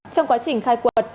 trong quá trình khai quật